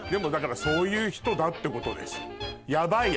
そういう人だってことです。